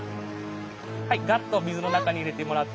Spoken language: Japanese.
はいガッと水の中に入れてもらって。